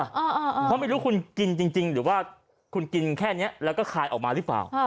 เพราะไม่รู้คุณกินจริงหรือว่าคุณกินแค่นี้แล้วก็คายออกมาหรือเปล่า